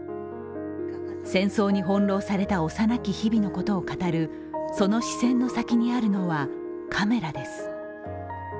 戦争に翻弄された幼き日々のことを語るその視線の先にあるのは、カメラです。